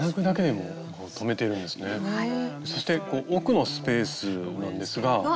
そして奥のスペースなんですが。